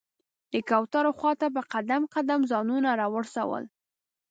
د کوترو خواته په قدم قدم ځانونه راورسول.